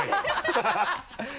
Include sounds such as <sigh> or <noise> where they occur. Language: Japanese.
ハハハ <laughs>